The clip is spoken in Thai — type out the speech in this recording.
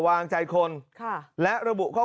มีพฤติกรรมเสพเมถุนกัน